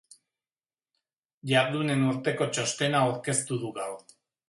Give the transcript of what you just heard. Jardunen urteko txostena aurkeztu du gaur.